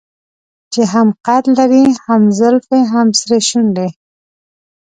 چې هم قد لري هم زلفې هم سرې شونډې.